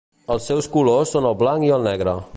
Els seus colors són el blanc i el negre.